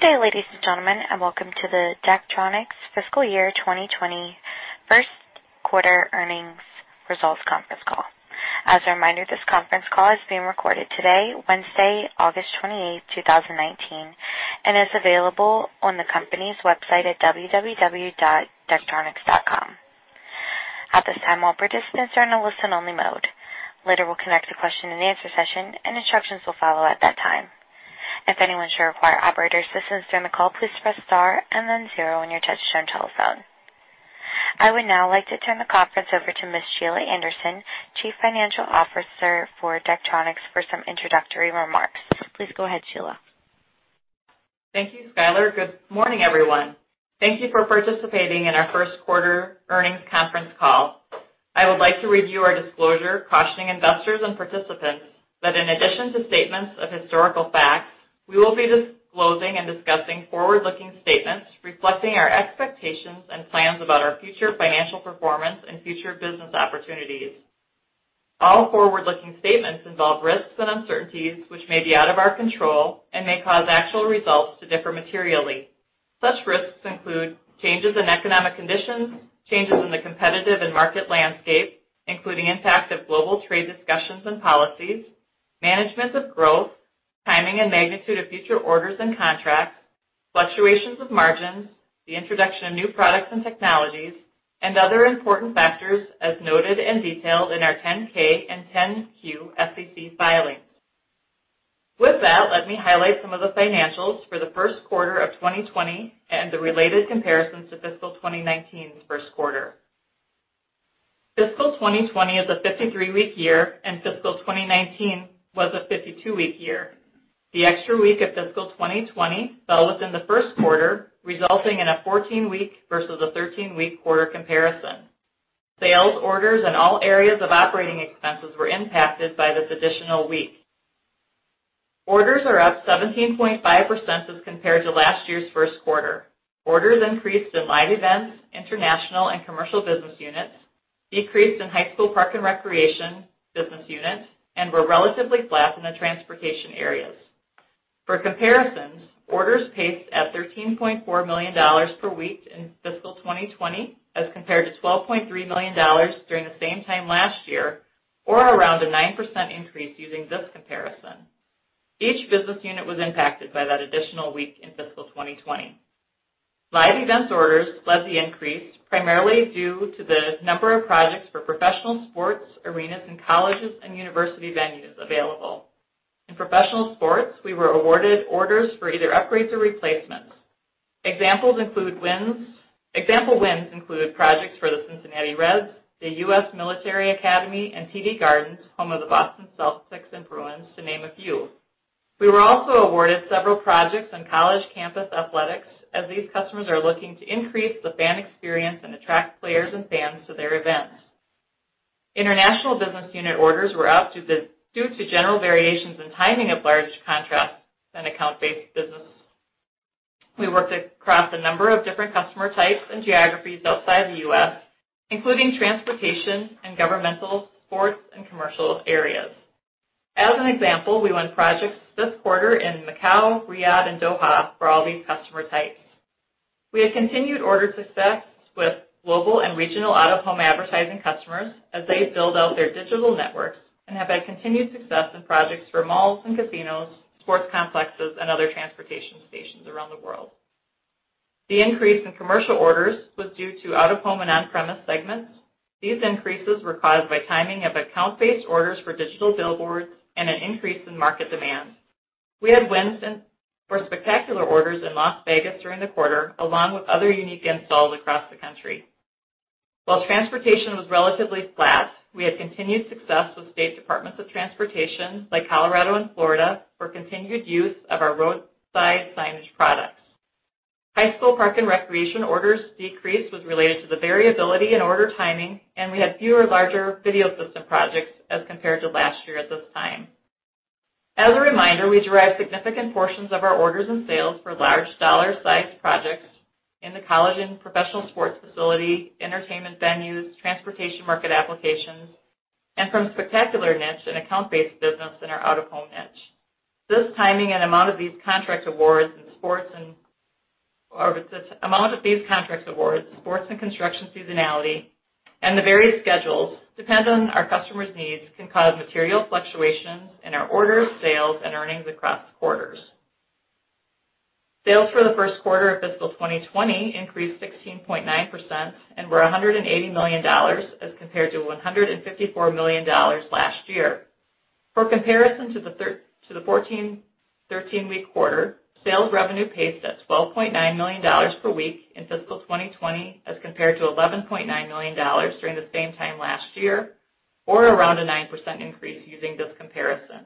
Good day, ladies and gentlemen, and welcome to the Daktronics Fiscal Year 2020 first quarter earnings results conference call. As a reminder, this conference call is being recorded today, Wednesday, August 28, 2019, and is available on the company's website at www.daktronics.com. At this time, all participants are in a listen-only mode. Later, we'll conduct a question and answer session, and instructions will follow at that time. If anyone should require operator assistance during the call, please press star and then zero on your touch-tone telephone. I would now like to turn the conference over to Ms. Sheila Anderson, Chief Financial Officer for Daktronics, for some introductory remarks. Please go ahead, Sheila. Thank you, Skyler. Good morning, everyone. Thank you for participating in our first quarter earnings conference call. I would like to review our disclosure cautioning investors and participants that in addition to statements of historical facts, we will be disclosing and discussing forward-looking statements reflecting our expectations and plans about our future financial performance and future business opportunities. All forward-looking statements involve risks and uncertainties which may be out of our control and may cause actual results to differ materially. Such risks include changes in economic conditions, changes in the competitive and market landscape, including impact of global trade discussions and policies, management of growth, timing and magnitude of future orders and contracts, fluctuations of margins, the introduction of new products and technologies, and other important factors as noted and detailed in our 10-K and 10-Q SEC filings. With that, let me highlight some of the financials for the first quarter of 2020 and the related comparisons to fiscal 2019's first quarter. Fiscal 2020 is a 53-week year, and fiscal 2019 was a 52-week year. The extra week of fiscal 2020 fell within the first quarter, resulting in a 14-week versus a 13-week quarter comparison. Sales orders in all areas of operating expenses were impacted by this additional week. Orders are up 17.5% as compared to last year's first quarter. Orders increased in live events, international and commercial business units, decreased in high school park and recreation business units, and were relatively flat in the transportation areas. For comparisons, orders paced at $13.4 million per week in fiscal 2020 as compared to $12.3 million during the same time last year or around a 9% increase using this comparison. Each business unit was impacted by that additional week in fiscal 2020. Live events orders led the increase primarily due to the number of projects for professional sports arenas and colleges and university venues available. In professional sports, we were awarded orders for either upgrades or replacements. Example wins included projects for the Cincinnati Reds, the U.S. Military Academy, and TD Garden, home of the Boston Celtics and Bruins, to name a few. We were also awarded several projects on college campus athletics, as these customers are looking to increase the fan experience and attract players and fans to their events. International business unit orders were up due to general variations in timing of large contracts and account-based business. We worked across a number of different customer types and geographies outside the U.S., including transportation and governmental, sports, and commercial areas. As an example, we won projects this quarter in Macau, Riyadh, and Doha for all these customer types. We have continued order success with global and regional out-of-home advertising customers as they build out their digital networks and have had continued success in projects for malls and casinos, sports complexes, and other transportation stations around the world. The increase in commercial orders was due to out-of-home and on-premise segments. These increases were caused by timing of account-based orders for digital billboards and an increase in market demand. We had wins for spectacular orders in Las Vegas during the quarter, along with other unique installs across the country. While transportation was relatively flat, we had continued success with state departments of transportation like Colorado and Florida for continued use of our roadside signage products. High school park and recreation orders decrease was related to the variability in order timing, and we had fewer larger video system projects as compared to last year at this time. As a reminder, we derive significant portions of our orders and sales for large dollar-sized projects in the college and professional sports facility, entertainment venues, transportation market applications, and from spectacular niche and account-based business in our out-of-home niche. This timing and amount of these contract awards in sports or with the amount of these contracts awards, sports and construction seasonality, and the various schedules depend on our customers' needs can cause material fluctuations in our orders, sales, and earnings across quarters. Sales for the first quarter of fiscal 2020 increased 16.9% and were $180 million as compared to $154 million last year. For comparison to the 13-week quarter, sales revenue paced at $12.9 million per week in fiscal 2020 as compared to $11.9 million during the same time last year or around a 9% increase using this comparison.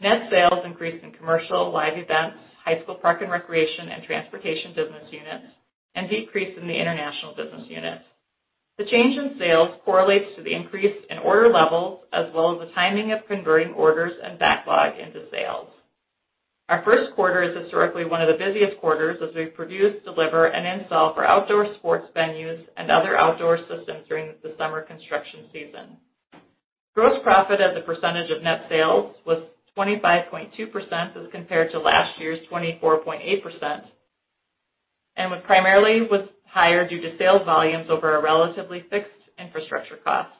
Net sales increased in commercial, live events, high school park and recreation, and transportation business units, and decreased in the international business units. The change in sales correlates to the increase in order levels as well as the timing of converting orders and backlog into sales. Our first quarter is historically one of the busiest quarters as we produce, deliver, and install for outdoor sports venues and other outdoor systems during the summer construction season. Gross profit as a percentage of net sales was 25.2% as compared to last year's 24.8%, and was primarily higher due to sales volumes over a relatively fixed infrastructure cost.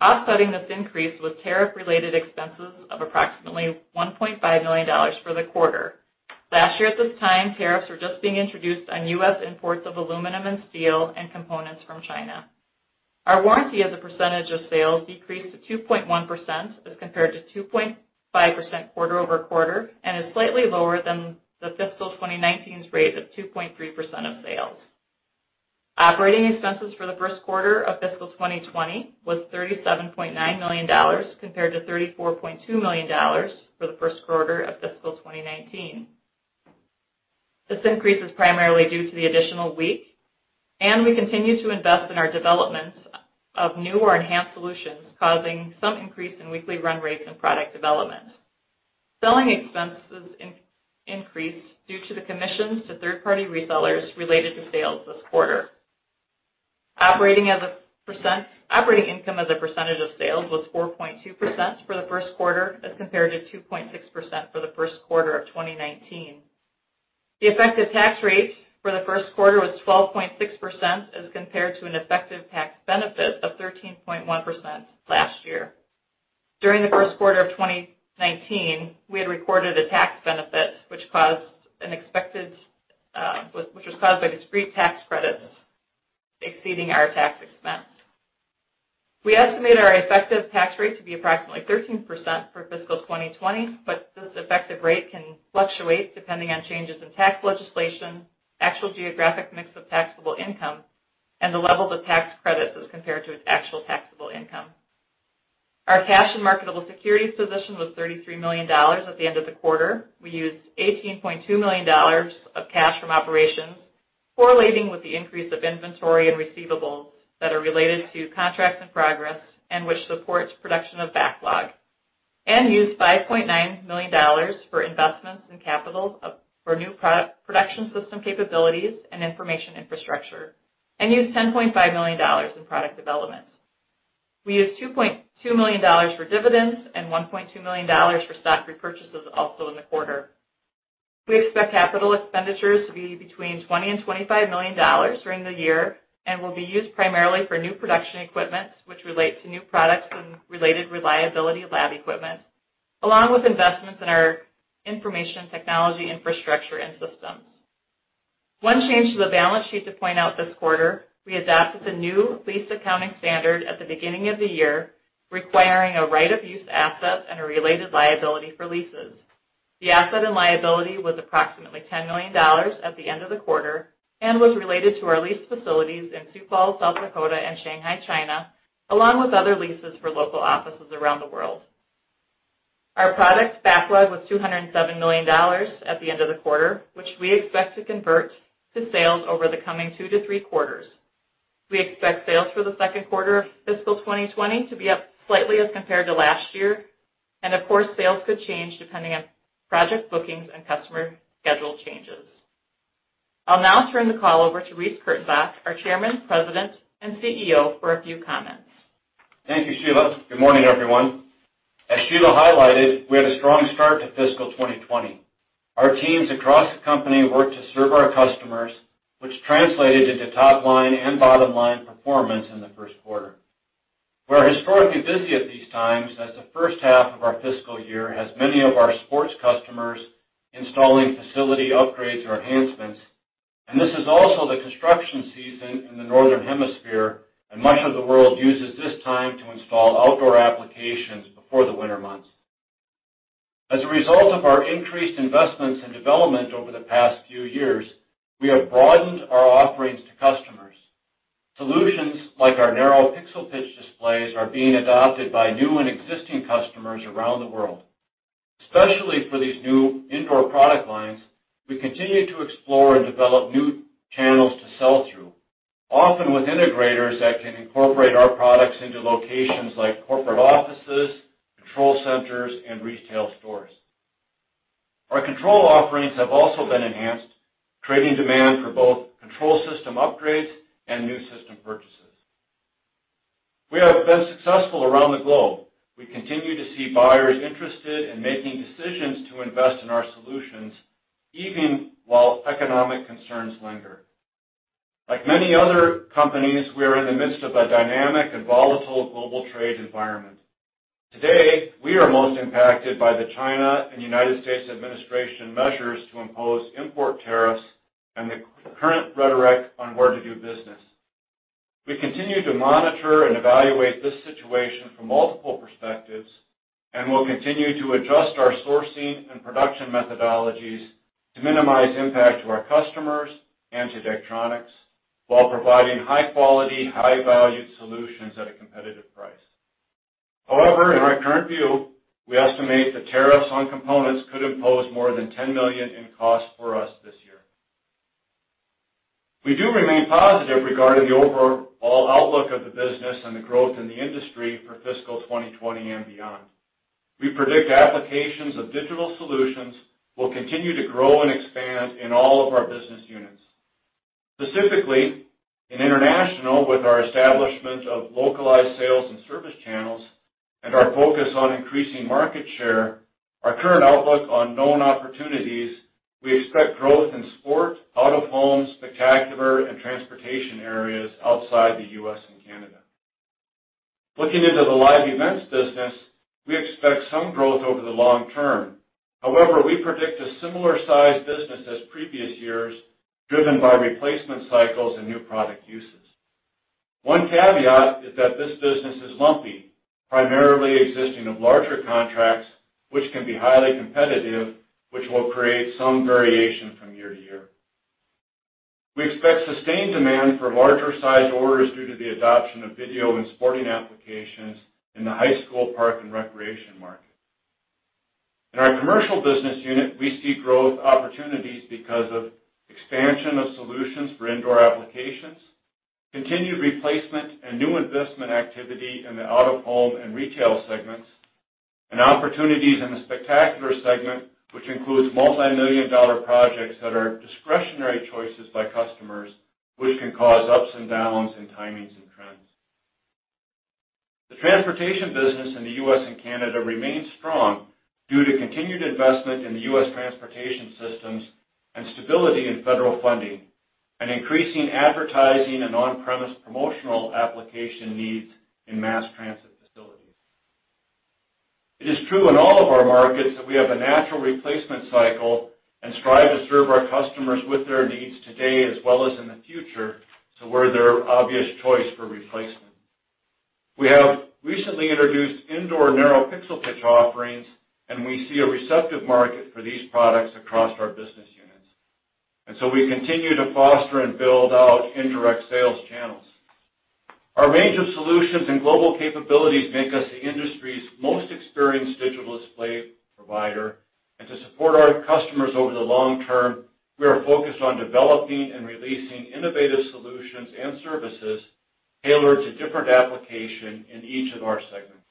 Offsetting this increase was tariff related expenses of approximately $1.5 million for the quarter. Last year at this time, tariffs were just being introduced on U.S. imports of aluminum and steel and components from China. Our warranty as a percentage of sales decreased to 2.1% as compared to 2.5% quarter-over-quarter, and is slightly lower than the fiscal 2019's rate of 2.3% of sales. Operating expenses for the first quarter of fiscal 2020 was $37.9 million, compared to $34.2 million for the first quarter of fiscal 2019. We continue to invest in our developments of new or enhanced solutions, causing some increase in weekly run rates and product development. Selling expenses increased due to the commissions to third party resellers related to sales this quarter. Operating income as a percentage of sales was 4.2% for the first quarter as compared to 2.6% for the first quarter of 2019. The effective tax rate for the first quarter was 12.6% as compared to an effective tax benefit of 13.1% last year. During the first quarter of 2019, we had recorded a tax benefit which was caused by discrete tax credits exceeding our tax expense. We estimate our effective tax rate to be approximately 13% for fiscal 2020, this effective rate can fluctuate depending on changes in tax legislation, actual geographic mix of taxable income, and the levels of tax credits as compared to its actual taxable income. Our cash and marketable securities position was $33 million at the end of the quarter. We used $18.2 million of cash from operations correlating with the increase of inventory and receivables that are related to contracts in progress and which supports production of backlog, and used $5.9 million for investments in capital for new production system capabilities and information infrastructure, and used $10.5 million in product development. We used $2.2 million for dividends and $1.2 million for stock repurchases also in the quarter. We expect capital expenditures to be between $20 million and $25 million during the year and will be used primarily for new production equipment which relate to new products and related reliability lab equipment, along with investments in our information technology infrastructure and systems. One change to the balance sheet to point out this quarter, we adopted the new lease accounting standard at the beginning of the year, requiring a right-of-use asset and a related liability for leases. The asset and liability was approximately $10 million at the end of the quarter and was related to our leased facilities in Sioux Falls, South Dakota and Shanghai, China, along with other leases for local offices around the world. Our product backlog was $207 million at the end of the quarter, which we expect to convert to sales over the coming two to three quarters. We expect sales for the second quarter of fiscal 2020 to be up slightly as compared to last year. Of course, sales could change depending on project bookings and customer schedule changes. I'll now turn the call over to Reece Kurtenbach, our Chairman, President, and CEO, for a few comments. Thank you, Sheila. Good morning, everyone. As Sheila highlighted, we had a strong start to fiscal 2020. Our teams across the company worked to serve our customers, which translated into top line and bottom line performance in the first quarter. We're historically busy at these times as the first half of our fiscal year has many of our sports customers installing facility upgrades or enhancements, and this is also the construction season in the northern hemisphere, and much of the world uses this time to install outdoor applications before the winter months. As a result of our increased investments in development over the past few years, we have broadened our offerings to customers. Solutions like our narrow pixel pitch displays are being adopted by new and existing customers around the world. Especially for these new indoor product lines, we continue to explore and develop new channels to sell through, often with integrators that can incorporate our products into locations like corporate offices, control centers, and retail stores. Our control offerings have also been enhanced, creating demand for both control system upgrades and new system purchases. We have been successful around the globe. We continue to see buyers interested in making decisions to invest in our solutions even while economic concerns linger. Like many other companies, we are in the midst of a dynamic and volatile global trade environment. Today, we are most impacted by the China and U.S. administration measures to impose import tariffs and the current rhetoric on where to do business. We continue to monitor and evaluate this situation from multiple perspectives, will continue to adjust our sourcing and production methodologies to minimize impact to our customers and to Daktronics while providing high quality, high valued solutions at a competitive price. In our current view, we estimate the tariffs on components could impose more than $10 million in costs for us this year. We do remain positive regarding the overall outlook of the business and the growth in the industry for fiscal 2020 and beyond. We predict applications of digital solutions will continue to grow and expand in all of our business units. In international, with our establishment of localized sales and service channels and our focus on increasing market share, our current outlook on known opportunities, we expect growth in sport, out-of-home, spectacular, and transportation areas outside the U.S. and Canada. Looking into the live events business, we expect some growth over the long term. However, we predict a similar-size business as previous years, driven by replacement cycles and new product uses. One caveat is that this business is lumpy, primarily consisting of larger contracts which can be highly competitive, which will create some variation from year to year. We expect sustained demand for larger-sized orders due to the adoption of video and sporting applications in the high school park and recreation market. In our commercial business unit, we see growth opportunities because of expansion of solutions for indoor applications, continued replacement and new investment activity in the out-of-home and retail segments, and opportunities in the spectacular segment, which includes multimillion-dollar projects that are discretionary choices by customers, which can cause ups and downs in timings and trends. The transportation business in the U.S. and Canada remains strong due to continued investment in the U.S. transportation systems and stability in federal funding, increasing advertising and on-premise promotional application needs in mass transit facilities. It is true in all of our markets that we have a natural replacement cycle and strive to serve our customers with their needs today as well as in the future, we're their obvious choice for replacement. We have recently introduced indoor narrow pixel pitch offerings, we see a receptive market for these products across our business units. We continue to foster and build out indirect sales channels. Our range of solutions and global capabilities make us the industry's most experienced digital display provider. To support our customers over the long term, we are focused on developing and releasing innovative solutions and services tailored to different applications in each of our segments.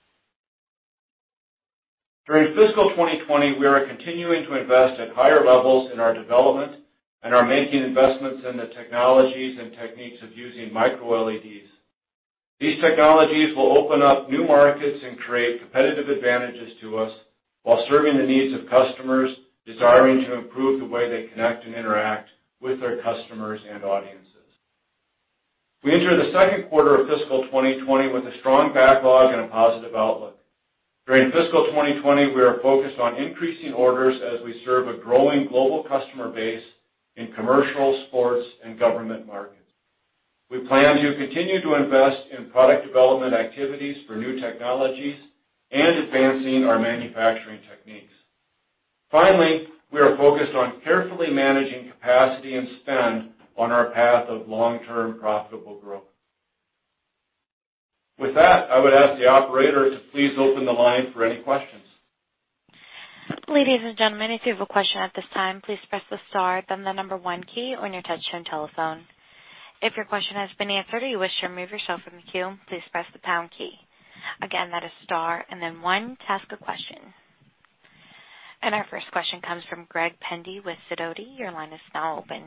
During fiscal 2020, we are continuing to invest at higher levels in our development and are making investments in the technologies and techniques of using MicroLEDs. These technologies will open up new markets and create competitive advantages to us while serving the needs of customers desiring to improve the way they connect and interact with their customers and audiences. We enter the second quarter of fiscal 2020 with a strong backlog and a positive outlook. During fiscal 2020, we are focused on increasing orders as we serve a growing global customer base in commercial, sports, and government markets. We plan to continue to invest in product development activities for new technologies and advancing our manufacturing techniques. We are focused on carefully managing capacity and spend on our path of long-term profitable growth. With that, I would ask the operator to please open the line for any questions. Ladies and gentlemen, if you have a question at this time, please press the star then the number 1 key on your touch-tone telephone. If your question has been answered or you wish to remove yourself from the queue, please press the pound key. Again, that is star and then 1 to ask a question. Our first question comes from Greg Pendy with Sidoti. Your line is now open.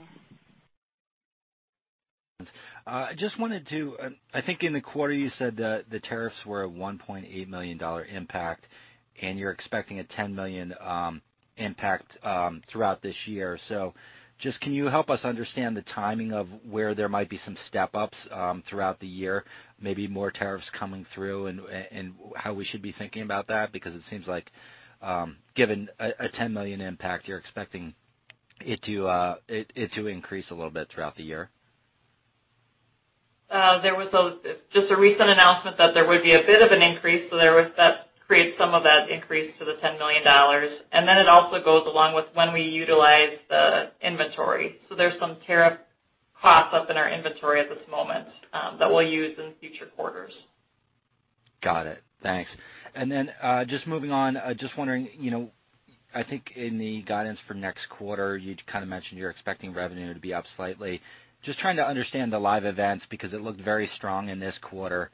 I just wanted to I think in the quarter you said the tariffs were a $1.8 million impact, and you're expecting a $10 million impact throughout this year. Just can you help us understand the timing of where there might be some step-ups throughout the year, maybe more tariffs coming through, and how we should be thinking about that? It seems like, given a $10 million impact, you're expecting it to increase a little bit throughout the year. There was just a recent announcement that there would be a bit of an increase, so that creates some of that increase to the $10 million. It also goes along with when we utilize the inventory. There's some tariff costs up in our inventory at this moment that we'll use in future quarters. Got it. Thanks. Just moving on, just wondering, I think in the guidance for next quarter, you kind of mentioned you're expecting revenue to be up slightly. Just trying to understand the live events, because it looked very strong in this quarter.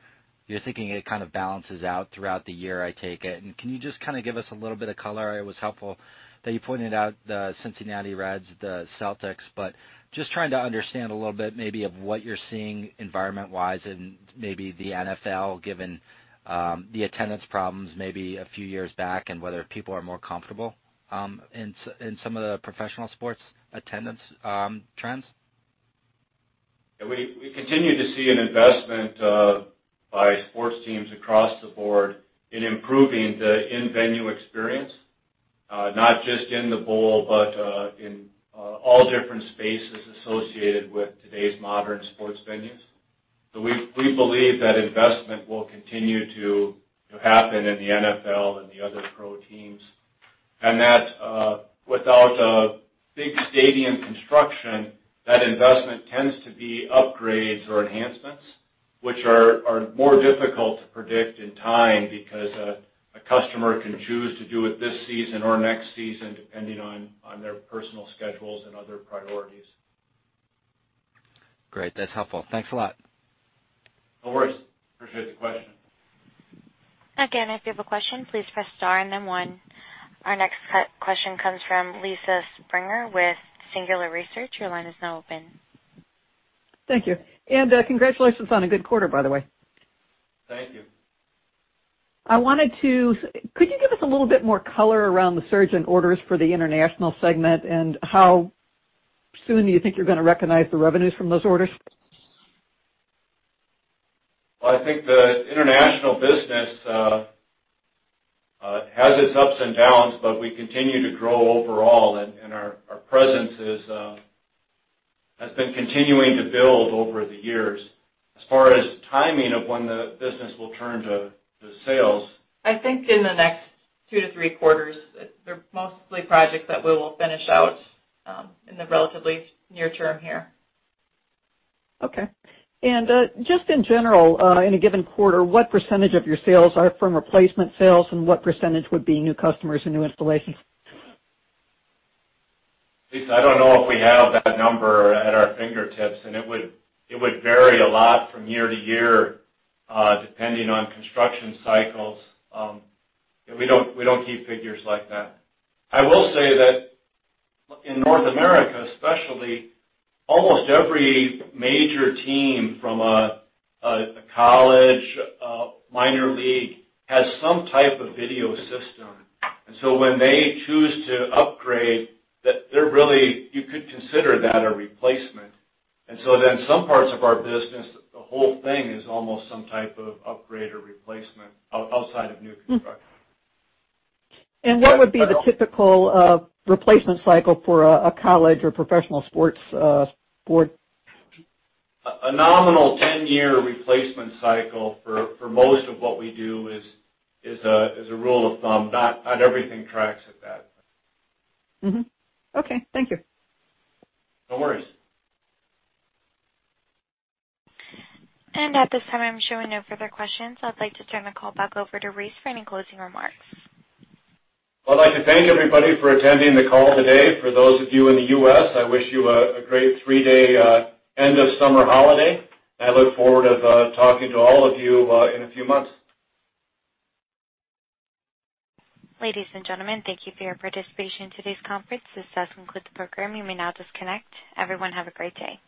You're thinking it kind of balances out throughout the year, I take it. Can you just give us a little bit of color? It was helpful that you pointed out the Cincinnati Reds, the Celtics, but just trying to understand a little bit maybe of what you're seeing environment-wise in maybe the NFL, given the attendance problems maybe a few years back, and whether people are more comfortable in some of the professional sports attendance trends. We continue to see an investment by sports teams across the board in improving the in-venue experience, not just in the bowl, but in all different spaces associated with today's modern sports venues. We believe that investment will continue to happen in the NFL and the other pro teams, and that without a big stadium construction, that investment tends to be upgrades or enhancements, which are more difficult to predict in time because a customer can choose to do it this season or next season, depending on their personal schedules and other priorities. Great. That's helpful. Thanks a lot. No worries. Appreciate the question. Again, if you have a question, please press star and then one. Our next question comes from Lisa Springer with Singular Research. Your line is now open. Thank you. Congratulations on a good quarter, by the way. Thank you. Could you give us a little bit more color around the surge in orders for the international segment, and how soon do you think you're going to recognize the revenues from those orders? Well, I think the international business has its ups and downs, but we continue to grow overall, and our presence has been continuing to build over the years. As far as timing of when the business will turn to sales. I think in the next two to three quarters. They're mostly projects that we will finish out in the relatively near term here. Okay. Just in general, in a given quarter, what % of your sales are from replacement sales, and what % would be new customers and new installations? Lisa, I don't know if we have that number at our fingertips, and it would vary a lot from year to year, depending on construction cycles. We don't keep figures like that. I will say that in North America, especially, almost every major team from a college, minor league, has some type of video system. When they choose to upgrade, you could consider that a replacement. Some parts of our business, the whole thing is almost some type of upgrade or replacement, outside of new construction. What would be the typical replacement cycle for a college or professional sports board? A nominal 10-year replacement cycle for most of what we do is a rule of thumb. Not everything tracks at that. Mm-hmm. Okay. Thank you. No worries. At this time, I'm showing no further questions. I'd like to turn the call back over to Reece for any closing remarks. Well, I'd like to thank everybody for attending the call today. For those of you in the U.S., I wish you a great three-day end of summer holiday. I look forward of talking to all of you in a few months. Ladies and gentlemen, thank you for your participation in today's conference. This does conclude the program. You may now disconnect. Everyone, have a great day.